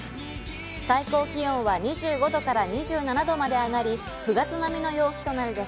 最高気温は２５度から２７度まで上がり、９月並みの陽気となるで